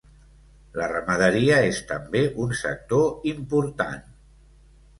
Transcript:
La ramaderia és també un sector important.